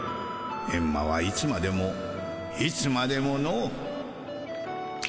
エンマはいつまでもいつまでもの」。